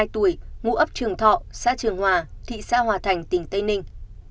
ba mươi hai tuổi ngũ ấp trường thọ xã trường hòa thị xã hòa thành tỉnh tây ninh